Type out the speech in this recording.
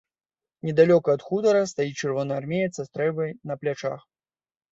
Недалёка ад хутара стаіць чырвонаармеец са стрэльбай на плячах.